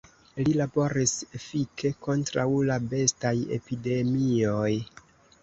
Li laboris efike kontraŭ la bestaj epidemioj.